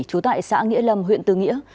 trú tại xã nghĩa lâm huyện tư nghĩa